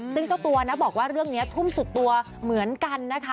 ซึ่งเจ้าตัวนะบอกว่าเรื่องนี้ทุ่มสุดตัวเหมือนกันนะคะ